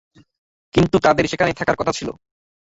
কিন্ত তাদের সেখানে থাকার কথা ছিল।